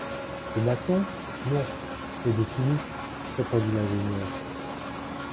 De maçons, non, mais de chimistes, répondit l’ingénieur